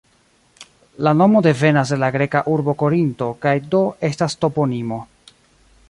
La nomo devenas de la greka urbo Korinto kaj do estas toponimo.